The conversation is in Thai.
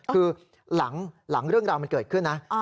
คือหลังเรื่องราวมันเกิดขึ้นนะ